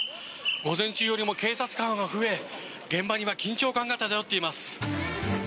午前中よりも警察官は増え現場には緊張感が漂っています。